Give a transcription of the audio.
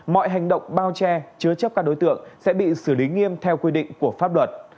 mọi hành động bao che chứa chấp các đối tượng sẽ bị xử lý nghiêm theo quy định của pháp luật